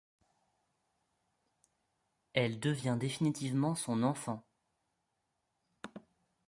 Elle devient définitivement son enfant.